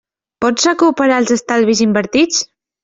Pots recuperar els estalvis invertits?